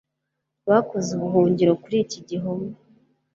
bakoze ubuhungiro kuri iki gihome